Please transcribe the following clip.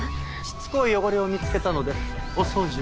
しつこい汚れを見つけたのでお掃除を。